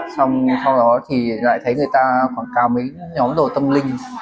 xong rồi lại thấy người ta khoảng cao mấy nhóm đồ tâm linh